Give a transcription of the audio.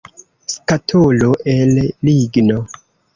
Skatolo el ligno.